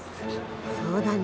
そうだね。